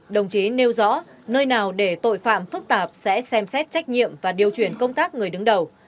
đồng chí nêu rõ nơi nào để tội phạm phức tạp sẽ xem xét trách nhiệm và điều chuyển công tác người đứng đầu